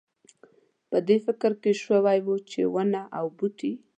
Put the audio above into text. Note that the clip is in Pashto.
په دې فکر شوی وای چې ونه او بوټی.